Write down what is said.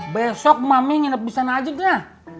besok mami nginep di sana aja deh